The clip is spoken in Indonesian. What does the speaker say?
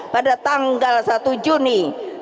pada tanggal satu juni